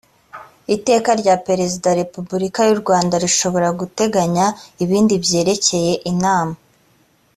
iteka rya perezida wa repubulika y u rwanda rishobora guteganya ibindi byerekeye inama